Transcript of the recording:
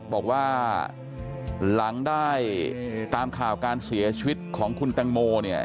บอกว่าหลังได้ตามข่าวการเสียชีวิตของคุณแตงโมเนี่ย